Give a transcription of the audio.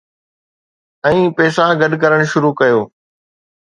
۽ پئسا گڏ ڪرڻ شروع ڪيو